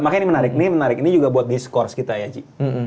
makanya ini menarik ini juga buat discourse kita ya ji